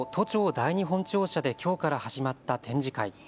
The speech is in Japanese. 第二本庁舎できょうから始まった展示会。